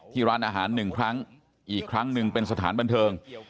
ร้านอาหารหนึ่งครั้งอีกครั้งหนึ่งเป็นสถานบันเทิง